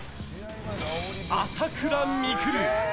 朝倉未来。